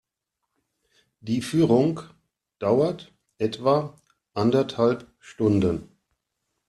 Die Führung dauert etwa anderthalb Stunden.